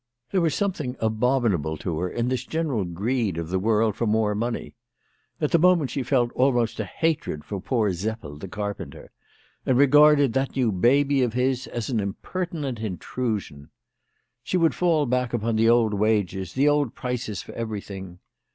There was something abominable to her in this general greed of the world for more money. At the moment she felt almost a hatred for poor Seppel the carpenter, and regarded that new baby of his as an impertinent intrusion. She would fall back upon the old wages, the old prices for everything.